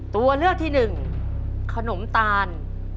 ตัวเลือกที่๑ขนมตาล